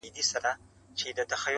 نوري یې مه پریږدی د چا لښکري٫